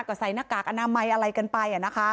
ก็ใส่หน้ากากอนามัยอะไรกันไป